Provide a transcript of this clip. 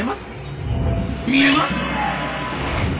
見えます！